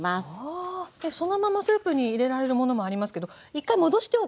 あ。でそのままスープに入れられるものもありますけど１回戻しておくと。